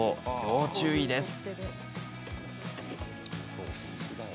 要注意です。